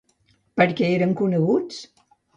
Per què eren coneguts?